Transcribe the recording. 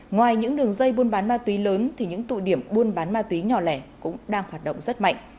ngoài những đường dây buôn bán ma túy lớn thì những tụ điểm buôn bán ma túy nhỏ lẻ cũng đang hoạt động rất mạnh